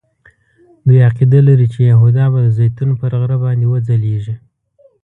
دوی عقیده لري چې یهودا به د زیتون پر غره باندې وځلیږي.